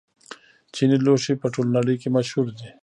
چیني لوښي په ټوله نړۍ کې مشهور دي.